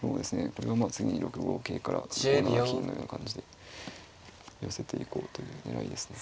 これはまあ次に６五桂から５七金のような感じで寄せていこうという狙いですね。